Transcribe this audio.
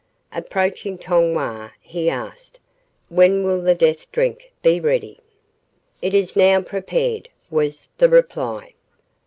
Approaching Tong Wah, he asked: "When will the death drink be ready?" "It is now prepared," was the reply.